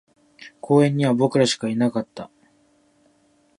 公園には僕らしかいなかった